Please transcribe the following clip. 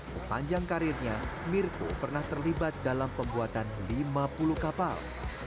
sepanjang karirnya mirko pernah terlibat dalam pembuatan lima puluh kapal